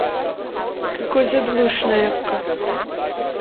Que coisa de luxo na época